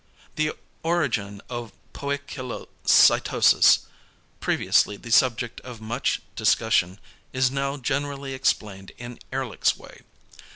The origin of poikilocytosis, previously the subject of much discussion, is now generally explained in Ehrlich's way.